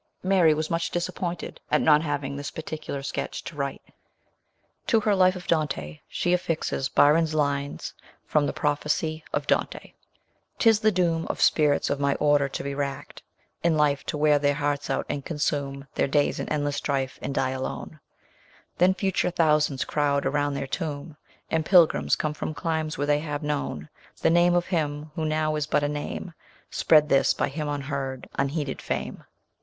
Mary was much disappointed at not having this particular sketch to write. To her life of Dante she affixes Byron's lines from The Prophecy of Dante 'Tis the doom Of spirits of my order to be racked In life ; to wear their hearts out, and consume Their days in endless strife, and die alone. LATEB WORKS. 207 Then future thousands crowd around their tomb, And pilgrims, come from climes where they have known The name of him who now is but a name, Spread his, by him unheard, unheeded fame.